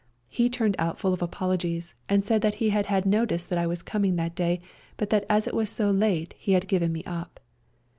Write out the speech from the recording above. He turned out full of apologies, and said that he had had notice that I was coming that day, but that as it was so late he had given me up.